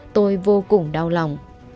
tôi vô cùng đau lòng